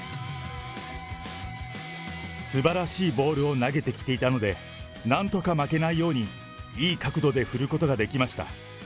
すばらしいボールを投げてきていたので、なんとか負けないようにいい角度で振ることができました。